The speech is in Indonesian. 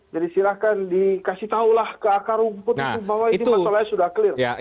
jadi silahkan dikasih tahulah ke akar rumput bahwa masalahnya sudah clear